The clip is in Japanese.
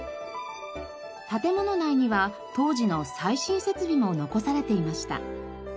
建物内には当時の最新設備も残されていました。